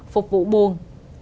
phục vụ buồng